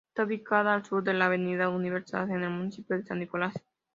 Está ubicada al sur de la "Avenida Universidad" en el municipio de San Nicolás.